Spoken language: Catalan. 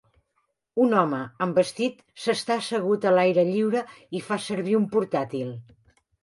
Un home amb vestit s'està assegut a l'aire lliure i fa servir un portàtil.